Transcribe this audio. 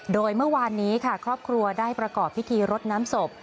โดยเมื่อวานนี้ค่ะครอบครัวได้ประกอบพิธีรดน้ำศพ